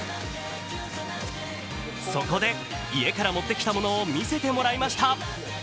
そこで家から持ってきたものを見せてもらいました。